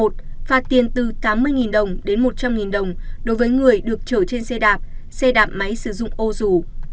một phạt tiền từ tám mươi đồng đến một trăm linh đồng đối với người được chở trên xe đạp xe đạp máy sử dụng ô rủ